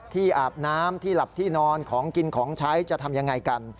อาบน้ำที่หลับที่นอนของกินของใช้จะทำยังไงกัน